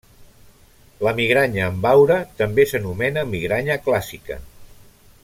La migranya amb aura també s'anomena migranya clàssica.